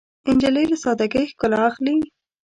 نجلۍ له سادګۍ ښکلا اخلي.